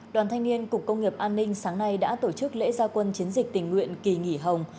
đoàn thanh niên cục công nghiệp an ninh sáng nay đã tổ chức lễ gia quân chiến dịch tình nguyện kỳ nghỉ hồng